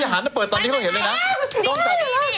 อย่าหันเนื้อเปิดตอนนี้เขาเห็นเลยนะ